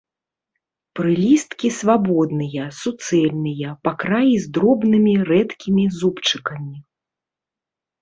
Прылісткі свабодныя, суцэльныя, па краі з дробнымі рэдкімі зубчыкамі.